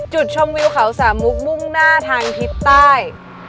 จุดชมวิวเขาสามมุกมุ่งหน้าทางทิศใต้